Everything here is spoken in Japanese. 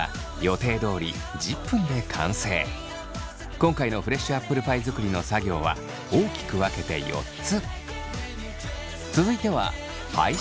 今回のフレッシュアップルパイ作りの作業は大きく分けて４つ。